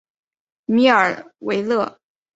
米尔维勒。